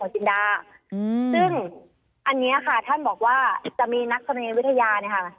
ซึ่งอันนี้ค่ะท่านบอกว่าจะมีนักธรณีวิทยาเนี่ยค่ะ